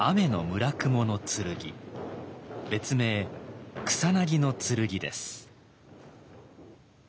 別名草薙剣です。